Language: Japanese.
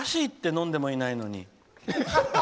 飲んでもないのに。